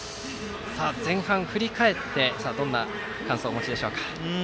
前半、振り返ってどんな感想をお持ちですか。